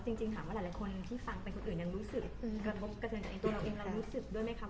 จริงจริงถามว่าหลายหลายคนที่ฟังเป็นคนอื่นยังรู้สึกกระทบกระเทนกับเองตัวเองแล้วรู้สึกด้วยไหมคะ